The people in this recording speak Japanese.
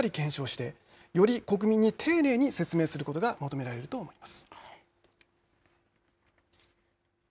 今回の事態をしっかり検証してより国民に丁寧に説明することが求められると思います。